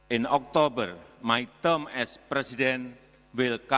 pada oktober perubahan saya sebagai presiden akan berakhir